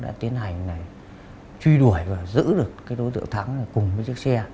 đã tiến hành truy đuổi và giữ được cái đối tượng thắng cùng với chiếc xe